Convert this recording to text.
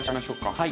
はい。